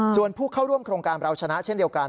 ส่วนผู้เข้าร่วมโครงการเราชนะเช่นเดียวกัน